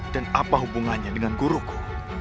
dan apa hubungannya dengan guruku